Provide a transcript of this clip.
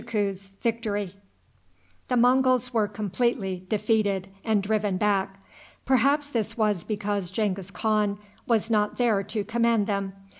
The Monguls were completely defeated and driven back. Perhaps this was because Genghis Khan was not there to command them.